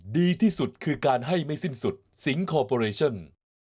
ดีที่สุดคือการให้ไม่สิ้นสุดสิงคอร์ปอเรชั่น